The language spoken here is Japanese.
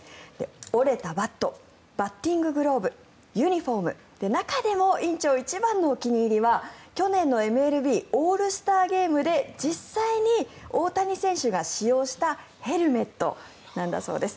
折れたバットバッティンググローブユニホーム中でも院長一番のお気に入りは去年のＭＬＢオールスターゲームで実際に大谷選手が使用したヘルメットなんだそうです。